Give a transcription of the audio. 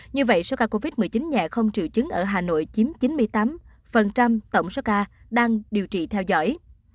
như vậy số ca covid một mươi chín nhẹ không triệu chứng ở hà nội chiếm chín mươi tám tổng số ca đang điều trị theo dõi